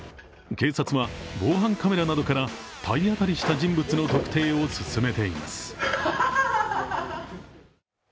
警察は防犯カメラなどから体当たりした人物の特定を進めています。